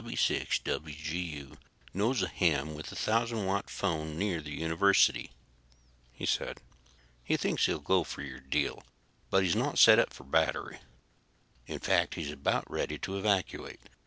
"W6WGU knows a ham with a 1000 watt phone near the university," he said. "He thinks he'll go for your deal, but he's not set up for battery. In fact, he's about ready to evacuate.